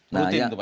rutin itu pak ya